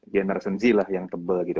generation z lah yang tebel gitu